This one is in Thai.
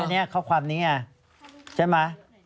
เนี่ยข้อความนี้เนี่ยใช่มะ